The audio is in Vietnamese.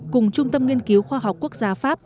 cùng trung tâm nghiên cứu khoa học quốc gia pháp